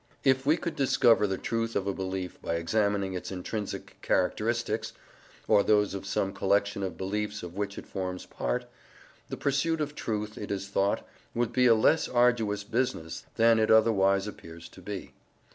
If we could discover the truth of a belief by examining its intrinsic characteristics, or those of some collection of beliefs of which it forms part, the pursuit of truth, it is thought, would be a less arduous business than it otherwise appears to be.